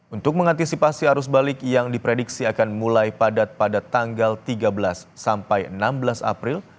untuk mengantisipasi arus balik yang diprediksi akan mulai padat pada tanggal tiga belas sampai enam belas april